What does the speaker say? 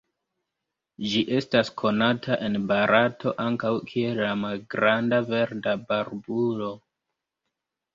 Ĝi estas konata en Barato ankaŭ kiel la Malgranda verda barbulo.